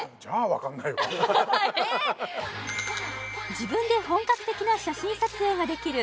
自分で本格的な写真撮影ができる